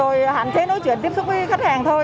rồi hạn chế nói chuyện tiếp xúc với khách hàng thôi